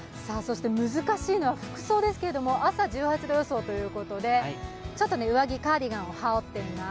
難しいのは服装ですけども、朝１８度予想ということで、上着、カーディガンを羽織っています。